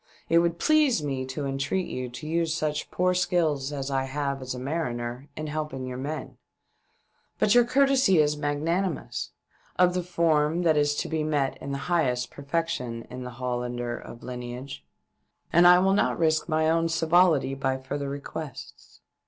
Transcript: It would please me to entreat you to use such poor skill as I have as a mariner in helping your men ; but your courtesy is magnanimous — of the form that is to be met in highest perfection in the Hollander of lineage — and I will not risk my own civility by further requests."